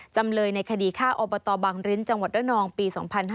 จำเลยในคดีฆ่าอบตบังริ้นจังหวัดระนองปี๒๕๕๙